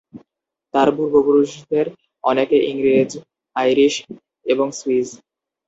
তার পূর্বপুরুষদের অনেকে ইংরেজ, আইরিশ, এবং সুইস।